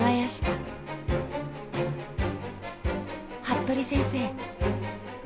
服部先生